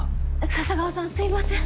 笹川さんすいません。